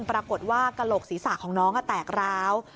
ปรากฏว่ากระโหลกศีรษะของน้องแตกร้าว